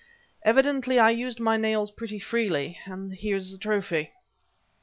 Evidently I used my nails pretty freely and there's the trophy."